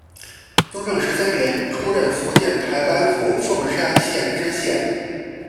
雍正十三年出任福建台湾府凤山县知县。